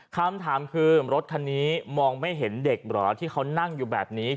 คำถามคือรถคันนี้มองไม่เห็นเด็กเหรอที่เขานั่งอยู่แบบนี้